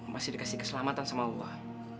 masih dikasih keselamatan sama allah